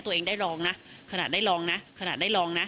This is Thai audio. ตัวเองได้ลองนะขนาดได้ลองนะ